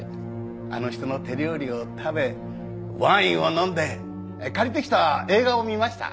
あの人の手料理を食べワインを飲んで借りてきた映画を見ました。